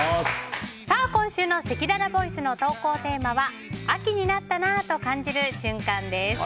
今週のせきららボイスの投稿テーマは秋になったなぁと感じる瞬間です。